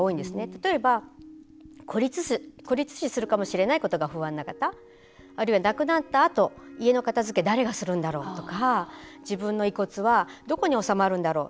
例えば、孤立死することが不安な方、あるいは亡くなったあと家の片付け誰がするんだろうとか自分の遺骨はどこに収まるんだろう。